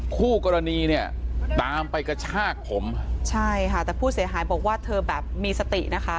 คู่กรณีเนี่ยตามไปกระชากผมใช่ค่ะแต่ผู้เสียหายบอกว่าเธอแบบมีสตินะคะ